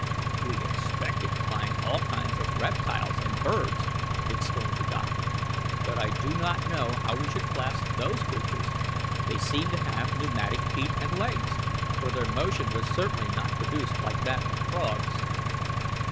"We expected to find all kinds of reptiles and birds," exclaimed the doctor. "But I do not know how we should class those creatures. They seem to have pneumatic feet and legs, for their motion was certainly not produced like that of frogs."